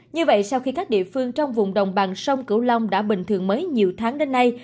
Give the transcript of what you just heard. như vậy sau khi các địa phương trong vùng đồng bằng sông cửu long đã bình thường mới nhiều tháng đến nay